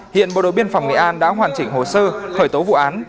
hiện bộ đội biên phòng nghệ an đã hoàn chỉnh hồ sơ khởi tố vụ án